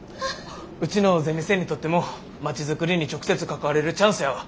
うちのゼミ生にとってもまちづくりに直接関われるチャンスやわ。